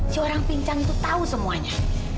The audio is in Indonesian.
si orang pincang itu tahu semuanya